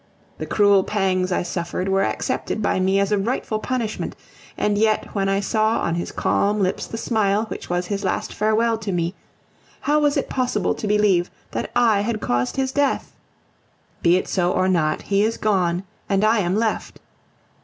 The cruel pangs I suffered were accepted by me as a rightful punishment; and yet, when I saw on his calm lips the smile which was his last farewell to me, how was it possible to believe that I had caused his death! Be it so or not, he is gone, and I am left.